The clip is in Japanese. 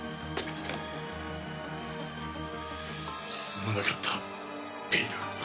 すまなかったベイル。